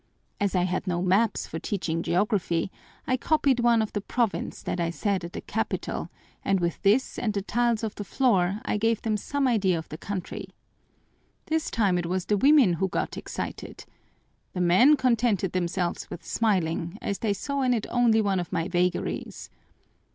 As I had no maps for teaching geography, I copied one of the province that I saw at the capital and with this and the tiles of the floor I gave them some idea of the country. This time it was the women who got excited. The men contented themselves with smiling, as they saw in it only one of my vagaries.